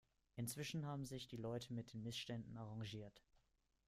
Inzwischen haben sich die Leute mit den Missständen arrangiert.